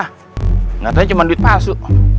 katanya cuma duit palsu